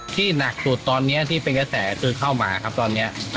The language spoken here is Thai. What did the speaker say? หนักสุดตอนนี้ที่เป็นกระแสคือเข้ามาครับตอนนี้